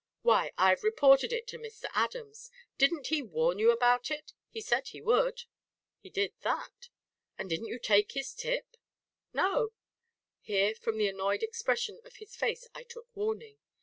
Why, I've reported it to Mr. Adams. Didn't he warn you about it; he said he would." "He did that." "And didn't you take his tip?" "No!" here from the annoyed expression of his face I took warning.